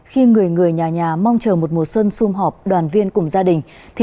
khi người người nhà nhà mong chờ một mùa xuân xung họp đoàn viên cùng gia đình